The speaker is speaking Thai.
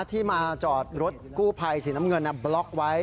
ที่มาจอดรถกู้ภัยสีน้ำเงินบล็อกไว้